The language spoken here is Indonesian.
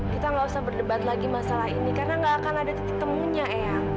kita nggak usah berdebat lagi masalah ini karena nggak akan ada titik temunya eyang